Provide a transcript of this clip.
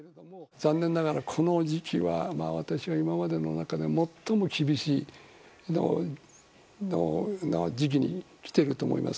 残念ながら、この時期は、私は今までの中で最も厳しい時期に来ていると思います。